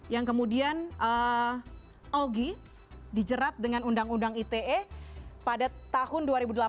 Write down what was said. yang kemudian augie dijerat dengan undang undang ite pada tahun dua ribu delapan